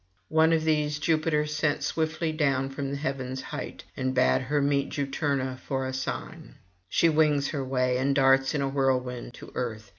One of these Jupiter sent swiftly down from heaven's height, and bade her meet Juturna for a [855 888]sign. She wings her way, and darts in a whirlwind to earth.